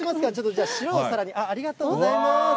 じゃあ、白いお皿に、ありがとうございます。